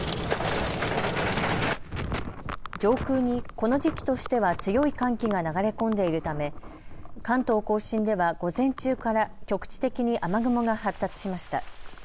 上空にこの時期としては強い寒気が流れ込んでいるため関東甲信では午前中から局地的に雨雲が発達しました。